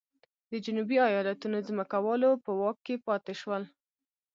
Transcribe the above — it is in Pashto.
د جنوبي ایالتونو ځمکوالو په واک کې پاتې شول.